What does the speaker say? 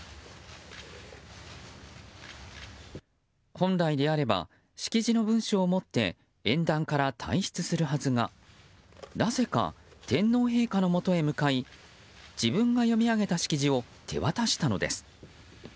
本来であれば式辞の文書を持って演壇から退出するはずがなぜか、天皇陛下のもとへ向かい自分が読み上げた式辞を手渡したのです。